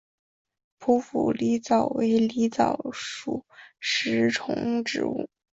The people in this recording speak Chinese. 匍匐狸藻为狸藻属食虫植物。